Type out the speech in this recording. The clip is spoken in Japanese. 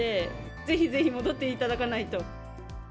ぜひぜひ戻っていただかないと。